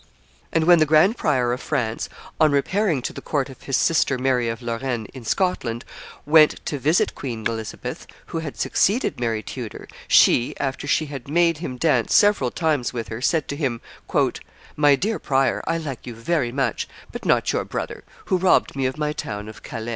And when the Grand Prior of France, on repairing to the court of his sister, Mary of Lorraine, in Scotland, went to visit Queen Elizabeth, who had succeeded Mary Tudor, she, after she had made him dance several times with her, said to him, "My dear prior, I like you very much, but not your brother, who robbed me of my town of Calais."